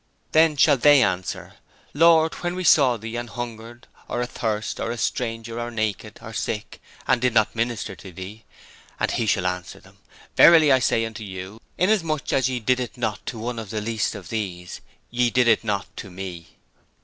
'Then shall they answer: "Lord, when saw we Thee an hungered or athirst or a stranger or naked, or sick, and did not minister unto Thee?" and He shall answer them, "Verily I say unto you, inasmuch as ye did it not to one of the least of these, ye did it not to Me."'